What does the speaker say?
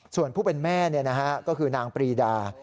ส่วนผู้เป็นแม่ก็คือนางปรีดา